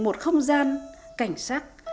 một không gian cảnh sắc